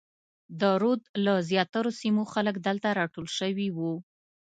د رود له زیاترو سیمو خلک دلته راټول شوي وو.